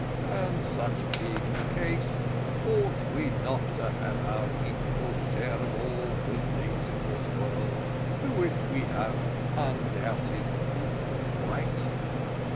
And such being the case, ought we not to have our equal share of good things in this world, to which we have an undoubted equal right?